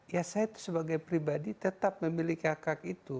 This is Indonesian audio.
ya saya sebagai pribadi tetap memiliki hak hak itu